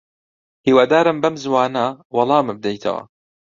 هیوادارم بەم زووانە وەڵامم بدەیتەوە.